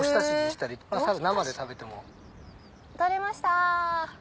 取れました。